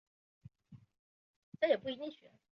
多亏孙膑说情留下。